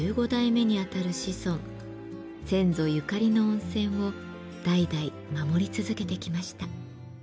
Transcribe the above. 先祖ゆかりの温泉を代々守り続けてきました。